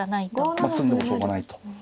もう詰んでもしょうがないと。